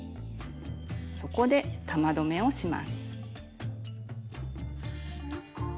そこで玉留めをします。